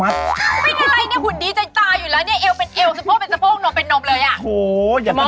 มันเป็นอะไร